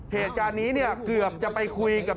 เหตุการณ์นี้เนี่ยเกือบจะไปคุยกับ